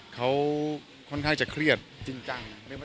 วันนี้รอวันนี้จบแล้วก็ยังไม่ได้รับ